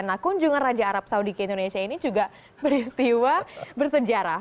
nah kunjungan raja arab saudi ke indonesia ini juga peristiwa bersejarah